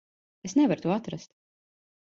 Es nevaru to atrast.